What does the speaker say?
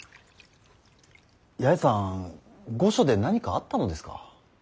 八重さん御所で何かあったのですか。